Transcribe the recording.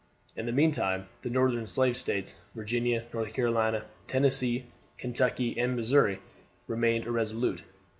In the meantime the Northern Slave States, Virginia, North Carolina, Tennessee, Kentucky, and Missouri, remained irresolute.